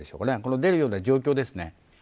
出るような状況ですね。